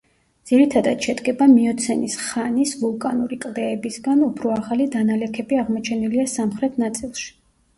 ძირითადად შედგება მიოცენის ხანის ვულკანური კლდეებისგან, უფრო ახალი დანალექები აღმოჩენილია სამხრეთ ნაწილში.